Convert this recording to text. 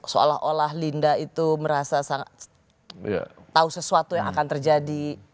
seolah olah linda itu merasa sangat tahu sesuatu yang akan terjadi